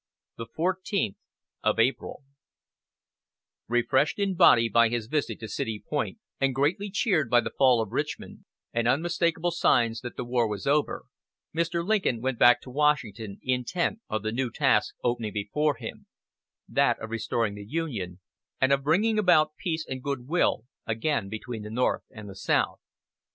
THE FOURTEENTH OF APRIL Refreshed in body by his visit to City Point and greatly cheered by the fall of Richmond, and unmistakable signs that the war was over, Mr. Lincoln went back to Washington intent on the new task opening before him that of restoring the Union, and of bringing about peace and good will again between the North and the South.